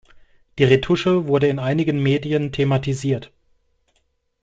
Die Retusche wurde in einigen Medien thematisiert.